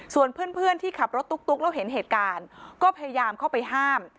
ส่วนเพื่อนที่ขับรถตุ๊กแล้วเห็นเหตุการณ์ก็พยายามเข้าไปห้าม